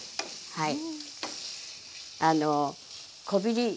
はい。